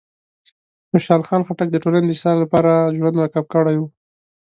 خوشحال خان خټک د ټولنې د اصلاح لپاره خپل ژوند وقف کړی و.